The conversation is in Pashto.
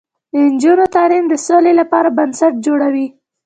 د نجونو تعلیم د سولې لپاره بنسټ جوړوي.